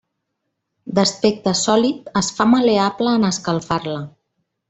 D'aspecte sòlid, es fa mal·leable en escalfar-la.